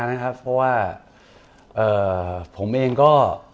เพราะว่าผมเองก็